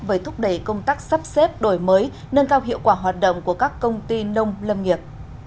về thúc đẩy công tác sắp xếp đổi mới nâng cao hiệu quả hoạt động của các công ty nông lâm nghiệp